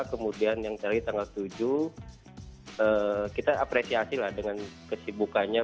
kemudian yang cari tanggal tujuh kita apresiasi lah dengan kesibukannya